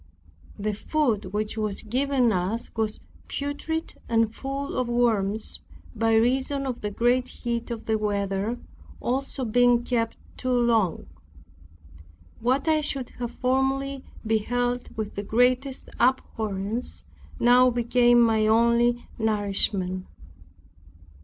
The food which was given us was putrid and full of worms, by reason of the great heat of the weather, also being kept too long. What I should have formerly beheld with the greatest abhorrence, now became my only nourishment.